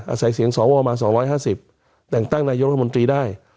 อาศัยเสียงสอวรมาสองร้อยห้าสิบแต่งตั้งนายุทธมนตรีได้